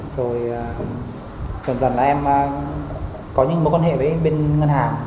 rồi dần dần là em có những mối quan hệ với bên ngân hàng